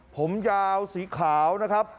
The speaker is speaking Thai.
ผมยาวสีขาวนะครับ